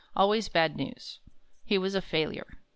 Always bad news. He was a failure.